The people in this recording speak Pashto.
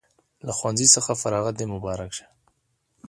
له ښوونځي څخه فراغت د مبارک شه